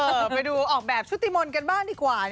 ไปดูออกแบบชุติมนต์กันบ้างดีกว่า